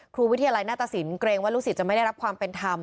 ครูวิทยาลัยหน้าตสินเกรงว่าลูกศิษย์จะไม่ได้รับความเป็นธรรม